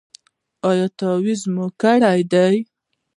ایا تعویذ مو کړی دی؟